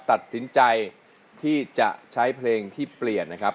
ตัดสินใจที่จะใช้เพลงที่เปลี่ยนนะครับ